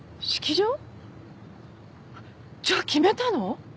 じゃあ決めたの？